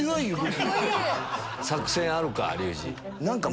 作戦あるか？